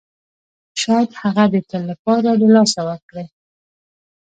شاید هغه د تل لپاره له لاسه ورکړئ.